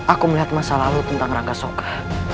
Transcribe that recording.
aku melihat masa lalu tentang rangka soka